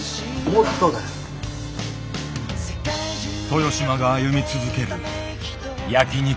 豊島が歩み続ける焼肉